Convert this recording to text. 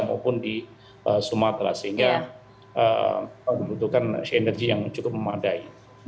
maupun di sumatera sehingga membutuhkan energi yang cukup memadai